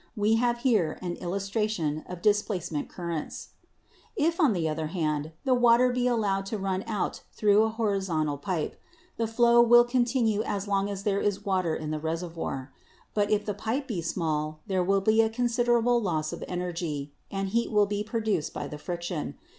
We have here an illustration of displacement currents. "If, on the other hand, the water be allowed to run out through a horizontal pipe (Fig. 2), the flow will con tinue as long as there is water in the reservoir ; but if the pipe be small, there will be a considerable less of energy, and heat will be produced by the friction.